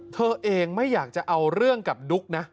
เธอเองไม่อยากจะเอาเรื่องกับดุ๊กนะ